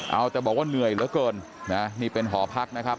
เอาแต่บอกว่าเหนื่อยเหลือเกินนะนี่เป็นหอพักนะครับ